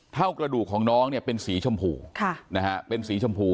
เท่ากระดูกของน้องเนี่ยเป็นสีชมพูเป็นสีชมพู